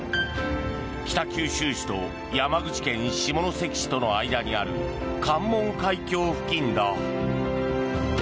北九州市と山口県下関市との間にある関門海峡付近だ。